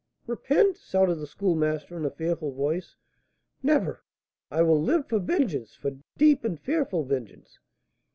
"Repent!" shouted the Schoolmaster, in a fearful voice. "Never! I will live for vengeance, for deep and fearful vengeance!"